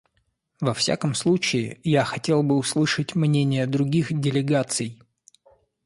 Во всяком случае, я хотел бы услышать мнения других делегаций.